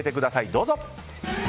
どうぞ。